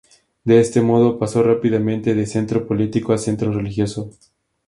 De este modo, pasó rápidamente de centro político a centro religioso.